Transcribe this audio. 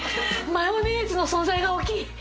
マヨネーズの存在が大きい。